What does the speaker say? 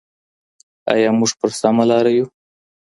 ايا موږ په سمه لاره يو؟